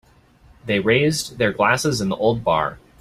They raised their glasses in the old bar.